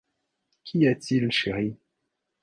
Qu’y a-t-il, chérie ?